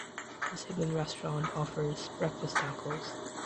The sibling restaurant offers breakfast tacos.